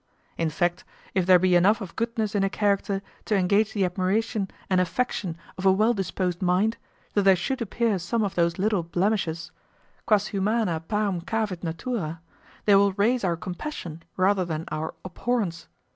In fact, if there be enough of goodness in a character to engage the admiration and affection of a well disposed mind, though there should appear some of those little blemishes quas humana parum cavit natura, they will raise our compassion rather than our abhorrence.